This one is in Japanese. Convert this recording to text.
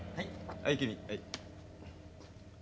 はい。